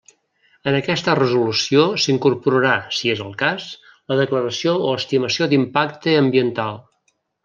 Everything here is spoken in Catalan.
En aquesta resolució s'incorporarà, si és el cas, la declaració o estimació d'impacte ambiental.